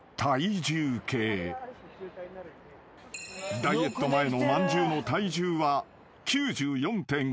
［ダイエット前のまんじゅうの体重は］